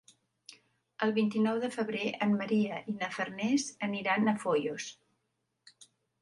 El vint-i-nou de febrer en Maria i na Farners aniran a Foios.